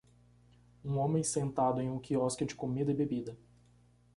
Um homem sentado em um quiosque de comida e bebida